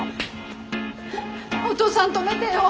お父さん止めてよ。